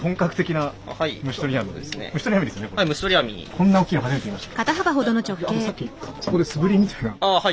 こんな大きいの初めて見ました。